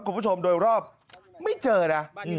คุณผู้ชมโดยรอบไม่เจอนะ